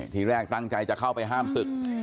ทีแรกตั้งใจจะเข้าไปห้ามศึก